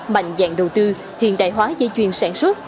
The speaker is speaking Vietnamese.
mạnh dạng đầu tư hiện đại hóa dây chuyền sản xuất